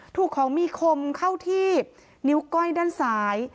ถูกของมีคมเข้าที่นิ้วก้อยด้านซ้าย